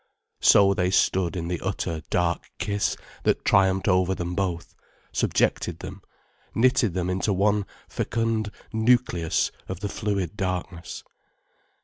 So they stood in the utter, dark kiss, that triumphed over them both, subjected them, knitted them into one fecund nucleus of the fluid darkness.